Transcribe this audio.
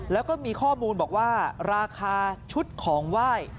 แล้วก็มีข้อมูลบอกว่าราคาชุดของไหว้